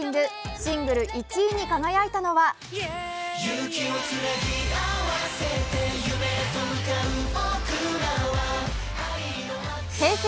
シングル１位に輝いたのはＨｅｙ！